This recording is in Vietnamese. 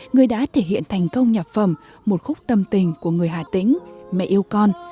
người đã thể hiện thành công nhạc phẩm một khúc tâm tình của người hà tĩnh mẹ yêu con